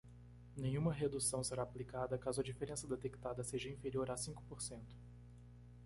Nenhuma redução será aplicada caso a diferença detectada seja inferior a cinco por cento.